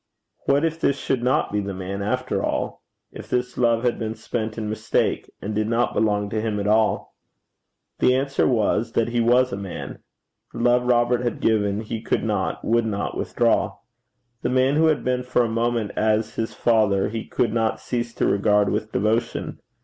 What if this should not be the man after all? if this love had been spent in mistake, and did not belong to him at all? The answer was, that he was a man. The love Robert had given he could not, would not withdraw. The man who had been for a moment as his father he could not cease to regard with devotion.